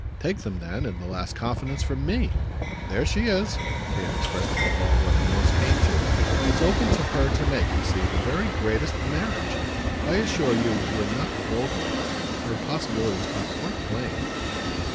Take them then, in the last confidence, from ME. There she is." Kate expressed above all what it most came to. "It's open to her to make, you see, the very greatest marriage. I assure you we're not vulgar about her. Her possibilities are quite plain."